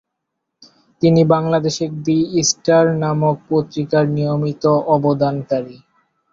তিনি বাংলাদেশের The Star নামক পত্রিকার নিয়মিত অবদানকারী।